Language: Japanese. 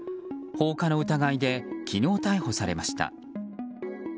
放火の疑いで昨日逮捕されました。